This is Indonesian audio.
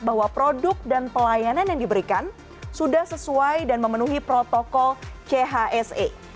bahwa produk dan pelayanan yang diberikan sudah sesuai dan memenuhi protokol chse